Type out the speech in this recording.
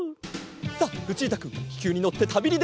さあルチータくんききゅうにのってたびにでるぞ！